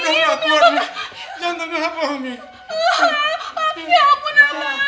jantungnya dikuat lagi makanya jangan salah salah sama orang tua